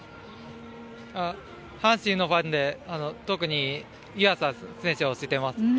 阪神のファンで、特に湯浅選手を推してます。